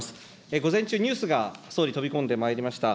午前中、ニュースが総理、飛び込んでまいりました。